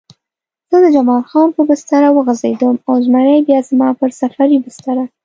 زه د جبار خان پر بستره وغځېدم او زمری بیا زما پر سفرۍ بستره.